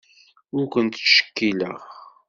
Ur kent-ttcekkileɣ.